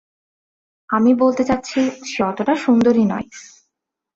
আমি বলতে চাচ্ছি, সে অতটা সুন্দরী নয়।